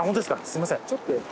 すいません。